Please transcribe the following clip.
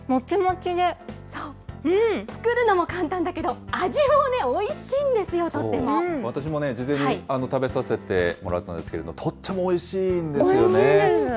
作るのも簡単だけど、味もお私もね、事前に食べさせてもらったんですけれど、とってもおいしいんですよね。